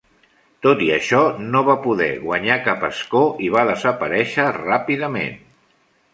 Tot i això, no va poder guanyar cap escó i va desaparèixer ràpidament.